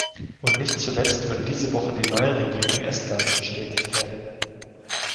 Und nicht zuletzt wird diese Woche die neue Regierung Estlands bestätigt werden.